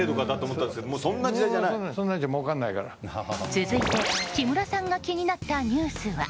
続いて木村さんが気になったニュースは。